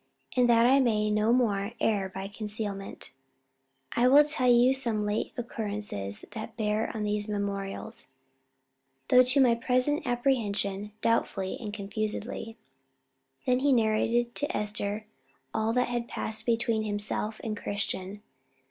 And that I may no more err by concealment, I will tell you some late occurrences that bear on these memorials, though to my present apprehension doubtfully and confusedly." He then narrated to Esther all that had passed between himself and Christian.